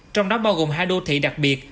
trong đó bao gồm hai đô thị đặc biệt